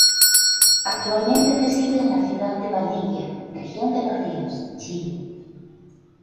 Actualmente reside en la ciudad de Valdivia, Región de Los Ríos, Chile.